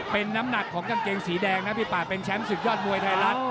เป็นน้ำหนักของกางเกงสีแดงนะพี่ป่าเป็นแชมป์ศึกยอดมวยไทยรัฐ